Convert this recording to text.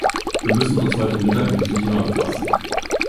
Wir müssen uns heute Mittag mit diesem Thema befassen.